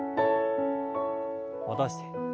戻して。